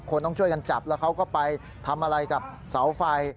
ต้องช่วยกันจับแล้วเขาก็ไปทำอะไรกับเสาไฟ